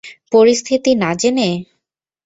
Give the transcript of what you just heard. পরিস্থিতি না জেনে?